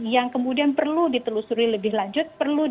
yang kemudian perlu ditelusuri lebih lanjut perlu ditelusuri